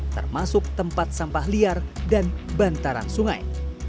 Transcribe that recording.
termasuk tempat sampah liar dan bantaran sungai